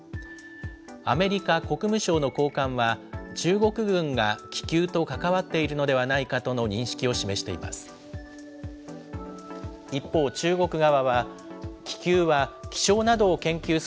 アメリカ国務省の高官は、中国軍が気球と関わっているのではないかとの認識を示しています。